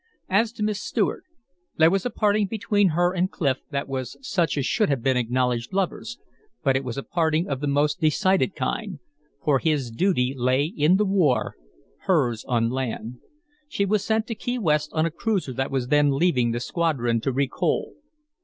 As to Miss Stuart; there was a parting between her and Clif that was such as should be between acknowledged lovers, but it was a parting of the most decided kind, for his duty lay in the war, hers on land. She was sent to Key West on a cruiser that was then leaving the squadron to recoal.